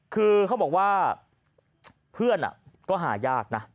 คือเขาบอกว่าเพื่อนก็หายากนะ